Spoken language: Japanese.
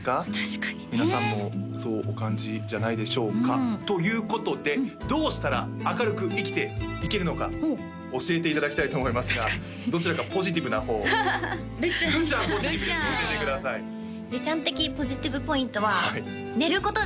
確かにね皆さんもそうお感じじゃないでしょうか？ということでどうしたら明るく生きていけるのか教えていただきたいと思いますがどちらかポジティブな方るちゃんるちゃんポジティブですか教えてくださいるちゃん的ポジティブポイントは寝ることです！